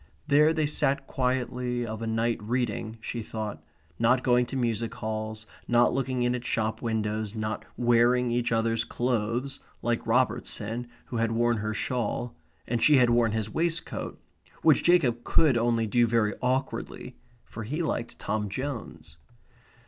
There they sat quietly of a night reading, she thought. Not going to music halls; not looking in at shop windows; not wearing each other's clothes, like Robertson who had worn her shawl, and she had worn his waistcoat, which Jacob could only do very awkwardly; for he liked Tom Jones.